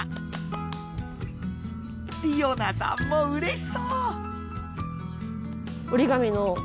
りおなさんもうれしそう！